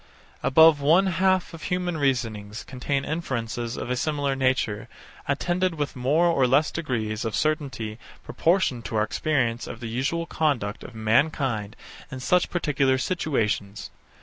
Above one half of human reasonings contain inferences of a similar nature, attended with more or less degrees of certainty proportioned to our experience of the usual conduct of mankind in such particular situations.